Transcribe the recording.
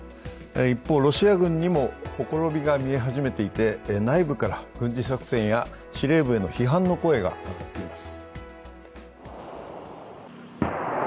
一方、ロシア軍にもほころびが見え始めて内部から軍事作戦や司令部への批判の声が上がっています。